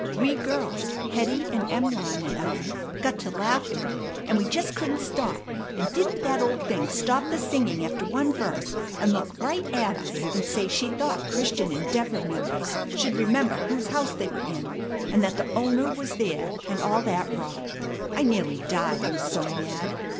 We girls, Hetty and Em'line and I, got to laughing, and we just couldn't stop; and didn't that old thing stop the singing after one verse, and look right at us, and say she thought Christian Endeavor members should remember whose house they were in, and that the owner was there, and all that rot. I nearly died, I was so mad.